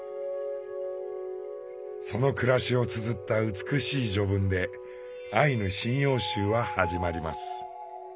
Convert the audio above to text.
その暮らしをつづった美しい序文で「アイヌ神謡集」は始まります。